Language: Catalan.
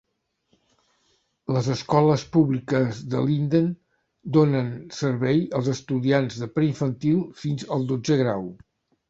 Les escoles públiques de Linden donen servei als estudiants de preinfantil fins al dotzè grau.